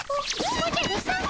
おおじゃるさま？